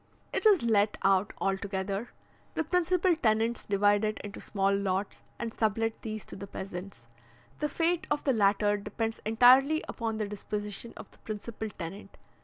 It is let out altogether; the principal tenants divide it into small lots, and sublet these to the peasants. The fate of the latter depends entirely upon the disposition of the principal tenant.